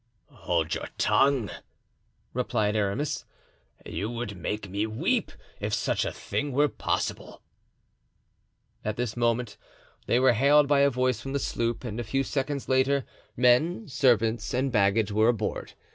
"Hold your tongue," replied Aramis; "you would make me weep, if such a thing were possible." At this moment they were hailed by a voice from the sloop and a few seconds later men, servants and baggage were aboard.